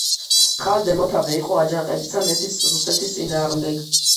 ხალდე მოთავე იყო აჯანყებისა მეფის რუსეთის წინააღმდეგ.